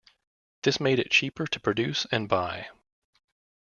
This made it cheaper to produce and buy.